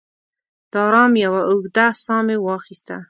د ارام یوه اوږده ساه مې واخیسته.